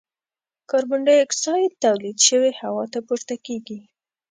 کاربن ډای اکسایډ تولید شوی هوا ته پورته کیږي.